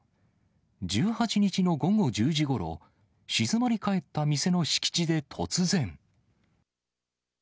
１８日の午後１０時ごろ、静まり返った店の敷地で突然。